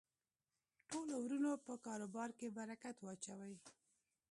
ټولو ورونو په کاربار کی برکت واچوی